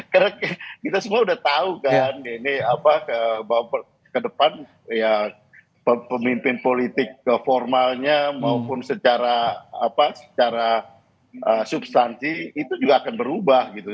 karena kita semua udah tahu kan ini apa bahwa ke depan pemimpin politik formalnya maupun secara substansi itu juga akan berubah gitu